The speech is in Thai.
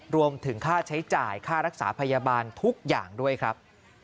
รวมถึงค่าใช้จ่ายค่ารักษาพยาบาลทุกอย่างด้วยครับ